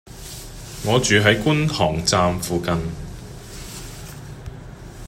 我住喺觀塘站附近